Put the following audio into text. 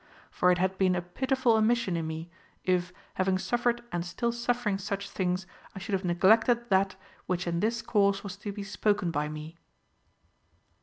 For it had been a pitiful omission in me, if, having suffered and still suffering such things, I should have neglected that Λvhich in this cause was to be spoken by me."